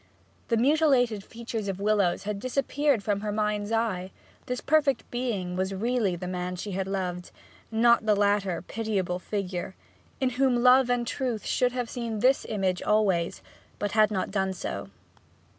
The mutilated features of Willowes had disappeared from her mind's eye; this perfect being was really the man she had loved, and not that later pitiable figure; in whom love and truth should have seen this image always, but had not done so.